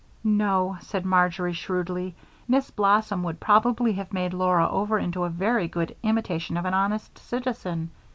"No," said Marjory, shrewdly, "Miss Blossom would probably have made Laura over into a very good imitation of an honest citizen.